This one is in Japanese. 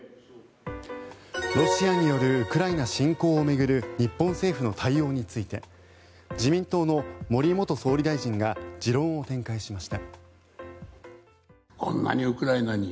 ロシアによるウクライナ侵攻を巡る日本政府の対応について自民党の森元総理大臣が持論を展開しました。